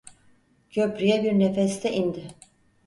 Köprü’ye bir nefeste indi.